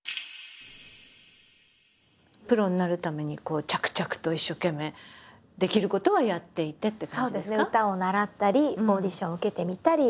プロになるために着々と一生懸命できることはやっていてって感じですか？